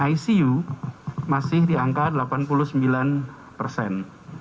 icu masih di angka delapan puluh sembilan persen